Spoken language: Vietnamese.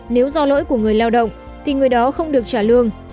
nếu do lỗi của người lao động thì người đó không được trả lương